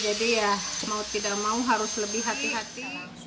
jadi ya mau tidak mau harus lebih hati hati